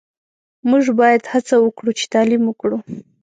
موژ باید هڅه وکړو چی تعلیم وکړو